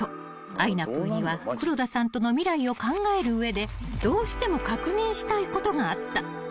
あいなぷぅには黒田さんとの未来を考える上でどうしても確認したいことがあった］